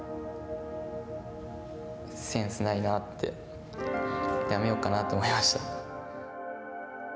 センスないなって辞めようかなと思いました。